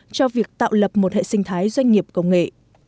cho việc tạo lập một hệ sinh thái doanh nghiệp công nghệ